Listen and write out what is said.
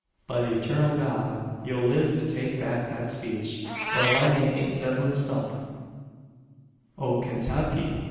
By the eturnal God! ye'll live to take back that speech, or my name aint Zeblun Stump, o' Kaintucky.